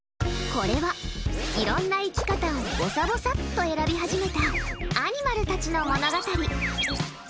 これは、いろんな生き方をぼさぼさっと選び始めたアニマルたちの物語。